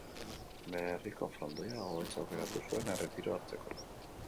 Bere herriko frontoia, Agoitz, aukeratu zuen erretiroa hartzeko.